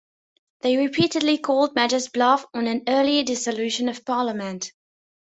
They repeatedly called Major's bluff on an early dissolution of Parliament.